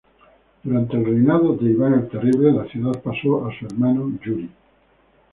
Durante el reinado de Iván el Terrible la ciudad pasó a su hermano, Yuri.